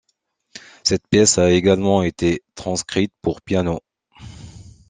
Cette pièce a également été transcrite pour piano.